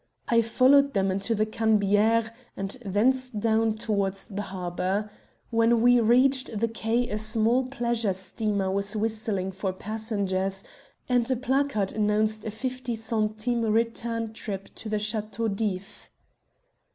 I followed them into the Cannebiere, and thence down towards the harbour. When we reached the quay a small pleasure steamer was whistling for passengers, and a placard announced a fifty centimes return trip to the Chateau d'If.